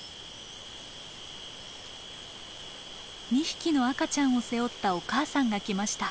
２匹の赤ちゃんを背負ったお母さんが来ました。